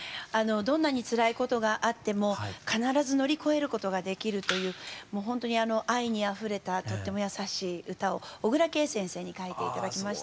どんなにつらいことがあっても必ず乗り越えることができるというもうほんとに愛にあふれたとっても優しい歌を小椋佳先生に書いて頂きました。